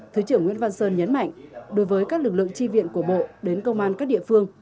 thứ trưởng nguyễn văn sơn nhấn mạnh đối với các lực lượng tri viện của bộ đến công an các địa phương